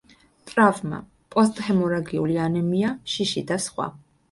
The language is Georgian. ტრავმა, პოსტჰემორაგიული ანემია, შიში და სხვა.